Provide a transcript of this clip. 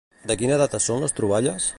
De quina data són les troballes?